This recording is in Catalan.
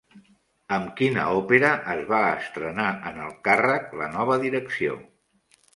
Amb quina òpera es va estrenar en el càrrec la nova direcció?